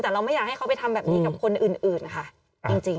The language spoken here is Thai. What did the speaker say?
แต่เราไม่อยากให้เขาไปทำแบบนี้กับคนอื่นนะคะจริง